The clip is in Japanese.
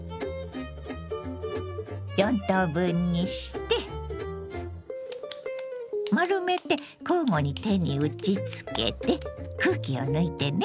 ４等分にして丸めて交互に手に打ちつけて空気を抜いてね。